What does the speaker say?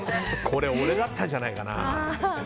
これ、俺だったんじゃないかな。